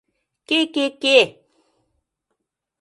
Ке-ке-ке!